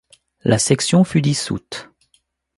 La section fut dissoute.